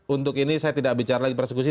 untuk ini saya tidak bicara lagi persekusi